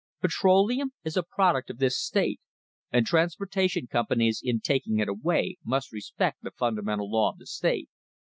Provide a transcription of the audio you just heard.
Petroleum is a product of this state, and transportation companies in taking it away must respect the fundamental law of the state.